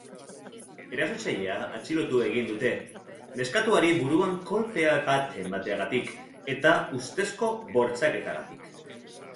Erasotzailea atxilotu egin dute, neskatoari buruan kolpe bat emateagatik eta ustezko bortxaketagatik.